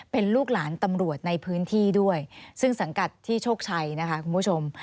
เป็นลูกหลานตำรวจในพื้นที่ด้วยซึ่งสังกัดที่โชคชัยนะคะคุณผู้ชม